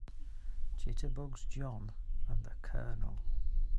Jitterbugs JOHN and the COLONEL.